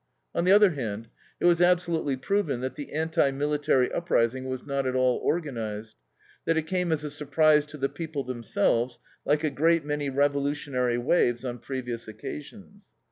On the other hand, it was absolutely proven that the anti military uprising was not at all organized; that it came as a surprise to the people themselves, like a great many revolutionary waves on previous occasions.